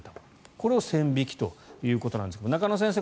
これが線引きということなんですが中野先生